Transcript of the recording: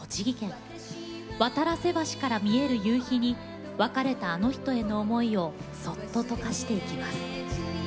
渡良瀬橋から見える夕日に別れたあの人への思いをそっと溶かしていきます。